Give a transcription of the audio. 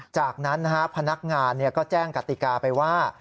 จากนั้นพนักงานก็แจ้งกติกาไปว่า